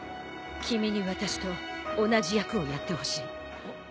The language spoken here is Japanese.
君に私と同じ役をやってほしい。